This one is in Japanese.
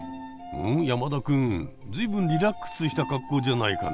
山田君随分リラックスした格好じゃないかね。